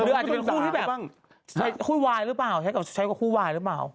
อาจจะเป็นคู่ที่แบบคู่วายหรือเปล่าใช้กับคู่วายหรือเปล่า